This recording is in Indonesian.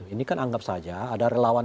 ini kan anggap saja ada relawan